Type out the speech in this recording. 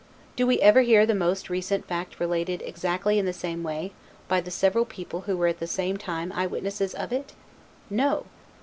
Do we ever hear the most recent fact related exactly in the same way, by the several people who were at the same time eyewitnesses of it? No.